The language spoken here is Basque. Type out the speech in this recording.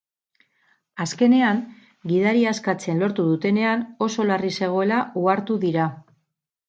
Azkenean, gidaria askatzen lortu dutenean, oso larri zegoela ohartu dira.